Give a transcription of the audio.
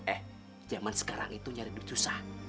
eh zaman sekarang itu nyari duit susah